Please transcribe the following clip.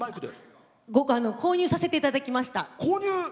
購入させていただきました。